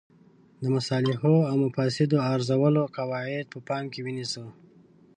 د مصالحو او مفاسدو د ارزولو قواعد په پام کې ونیسو.